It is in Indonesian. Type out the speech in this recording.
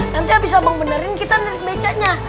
nanti abis abang benerin kita nerik becanya